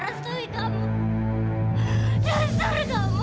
jangan lupa kamu perempuan inam